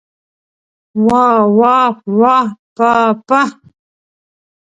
واه واه واه پاه پاه!